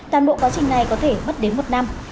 toàn bộ quá trình này có thể mất đến một năm